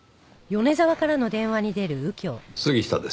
杉下です。